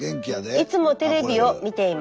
「いつもテレビを見ています。